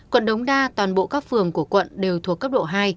quận đống đa toàn bộ các phường của quận đều thuộc cấp độ hai